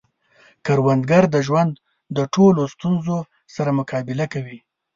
کروندګر د ژوند د ټولو ستونزو سره مقابله کوي